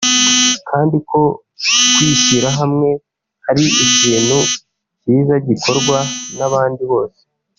kandi ko kwishyirahamwe ari ikintu kiza gikorwa n’abandi bose